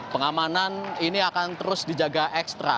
pengamanan ini akan terus dijaga ekstra